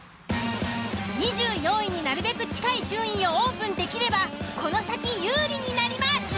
２４位になるべく近い順位をオープンできればこの先有利になります。